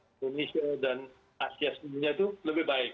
indonesia dan asia sebelumnya itu lebih baik